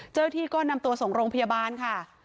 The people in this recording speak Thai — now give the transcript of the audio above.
เจ้าหน้าที่ก็นำตัวส่งโรงพยาบาลค่ะ